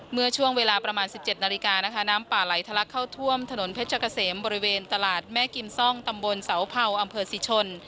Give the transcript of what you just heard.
เมื่อช่วงเวลาประมาณ๑๗นาฬิกานะคะน้ำป่าไหลทะลักเข้าท่วมถนนเพชรเกษมบริเวณตลาดแม่กิมซ่องตำบลเสาเผาอำเภอสิชน